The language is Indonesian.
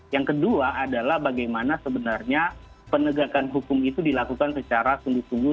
yang kedua adalah bagaimana sebenarnya penegakan hukum itu dilakukan secara sungguh sungguh